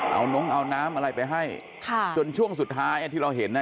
เอาน้องเอาน้ำอะไรไปให้ค่ะจนช่วงสุดท้ายที่เราเห็นน่ะ